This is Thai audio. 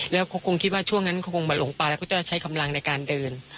แล้วเขาคงคิดว่าช่วงนั้นเขาคงมาหลงปลาแล้วก็จะใช้กำลังในการเดิน